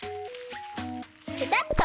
ペタッと。